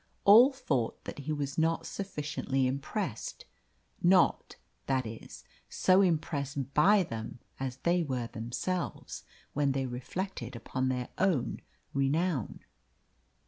All thought that he was not sufficiently impressed not, that is, so impressed by them as they were themselves when they reflected upon their own renown.